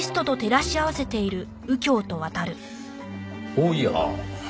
おや。